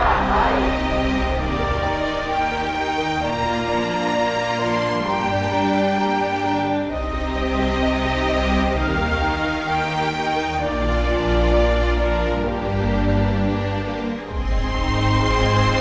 เราร่วงใจหัภัยราชวงประชา